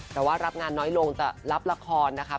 แต่ว่ารับงานน้อยลงจะรับละครนะคะ